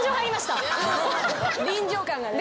臨場感がね。